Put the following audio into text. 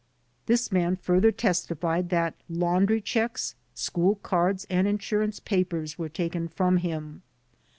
This man further testified that laundry checks, school cards and insurance papers were taken from him.